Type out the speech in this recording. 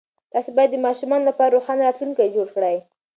تاسې باید د ماشومانو لپاره روښانه راتلونکی جوړ کړئ.